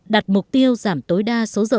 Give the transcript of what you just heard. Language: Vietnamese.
đặt mục tiêu giảm tối đa số giờ